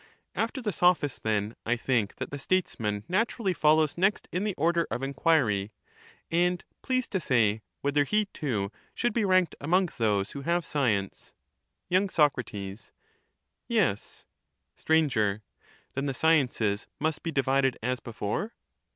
After the Sophist, then, I think that the Statesman naturally follows next in the order of enquiry. And please to say, whether he, too, should be ranked among those who have science. Y. Soc. Yes. Str. Then the sciences must be divided as before